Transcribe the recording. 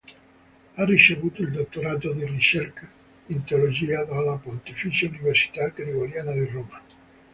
Ha ricevuto il dottorato di ricerca in teologia dalla Pontificia Università Gregoriana di Roma.